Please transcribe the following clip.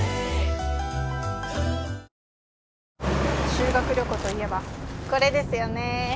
修学旅行といえばこれですよね。